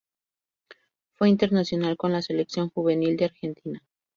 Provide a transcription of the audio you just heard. Fue internacional con la selección juvenil de Argentina.